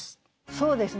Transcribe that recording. そうですね。